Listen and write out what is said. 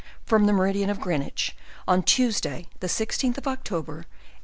from the meridian of Greenwich, on Tues day, the 16th of October, 1840.